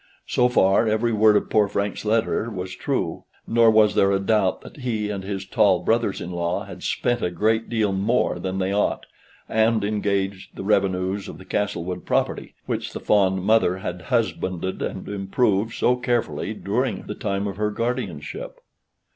So far every word of poor Frank's letter was true, nor was there a doubt that he and his tall brothers in law had spent a great deal more than they ought, and engaged the revenues of the Castlewood property, which the fond mother had husbanded and improved so carefully during the time of her guardianship.